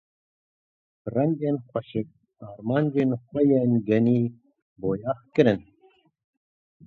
Bi rengên xweşik armancên xwe yên genî boyax kirin.